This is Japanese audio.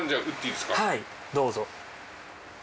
はいどうぞ。